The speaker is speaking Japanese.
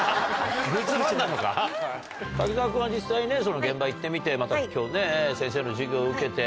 滝沢君は実際ね現場行ってみてまた今日先生の授業受けて。